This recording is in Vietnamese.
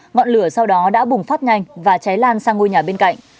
ngọn lửa sau đó đã bùng phát nhanh và cháy lan sang ngôi nhà bên cạnh